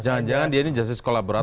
jangan jangan dia ini justice kolaborator